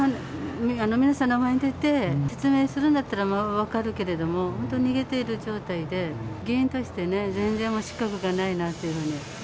ちゃんと皆さんの前に出て説明するんだったら分かるけれども、本当に逃げてる状態で、議員としてね、全然資格がないなっていうふうに。